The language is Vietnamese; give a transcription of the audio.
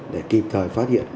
để kịp thời phát hiện